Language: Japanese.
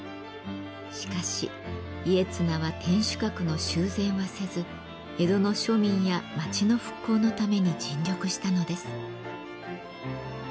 しかし家綱は天守閣の修繕はせず江戸の庶民や町の復興のために尽力したのです。